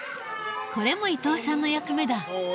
これも伊藤さんの役目だ。